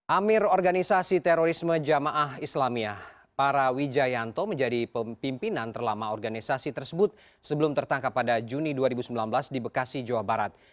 amir organisasi terorisme jamaah islamiyah para wijayanto menjadi pemimpin terlama organisasi tersebut sebelum tertangkap pada juni dua ribu sembilan belas di bekasi jawa barat